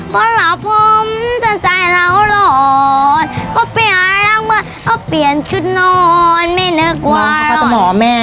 บุหารวงท่าข้าจะหมอแม่